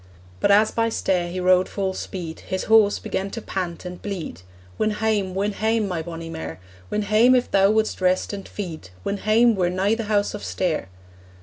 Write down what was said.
But as by Stair he rode full speed His horse began to pant and bleed; 'Win hame, win hame, my bonnie mare, Win hame if thou wouldst rest and feed, Win hame, we're nigh the House of Stair!'